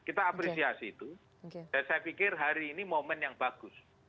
kita apresiasi itu dan saya pikir hari ini momen yang bagus